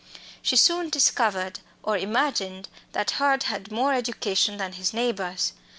She soon discovered or imagined that Hurd had more education than his neighbours.